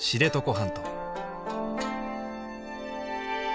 半島。